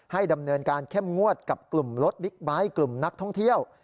ดำเนินการเข้มงวดกับกลุ่มรถบิ๊กไบท์กลุ่มนักท่องเที่ยว